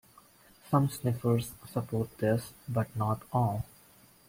Some sniffers support this, but not all.